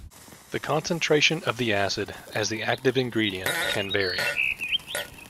The concentration of the acid as the active ingredient can vary.